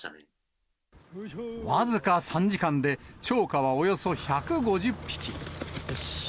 僅か３時間で、釣果はおよそ１５０匹。